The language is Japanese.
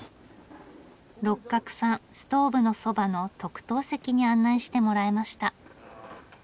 六角さんストーブのそばの特等席に案内してもらえました。